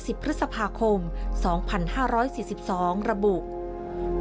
ระบุว่าเป็นมติที่๑๙๓ปี๒๕๔๒